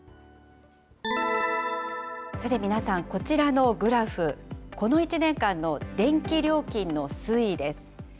さて皆さん、こちらのグラフ、この１年間の電気料金の推移です。